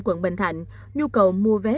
quận bình thạnh nhu cầu mua vé